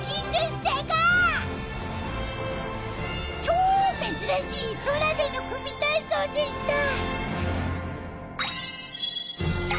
超珍しい空での組体操でした。